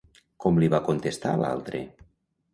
Com li va contestar l'altre?